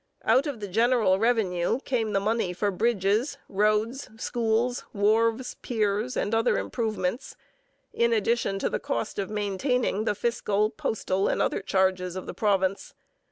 Out of the general revenue came the money for bridges, roads, schools, wharves, piers, and other improvements, in addition to the cost of maintaining the fiscal, postal, and other charges of the province.